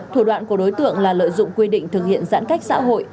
thủ đoạn của đối tượng là lợi dụng quy định thực hiện giãn cách xã hội